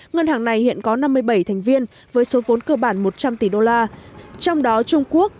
ngân hàng này hiện có năm mươi bảy thành viên với số vốn cơ bản một trăm linh tỷ đô la trong đó trung quốc